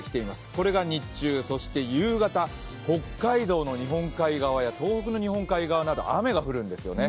これが日中、そして夕方、北海道の日本海側や東北の日本海側など雨が降るんですね。